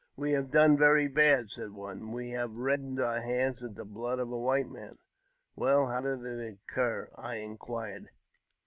''We have done very bad," said one; "we have reddened our hands with the blood of the white man." " Well, how did it occur ?" I enquired.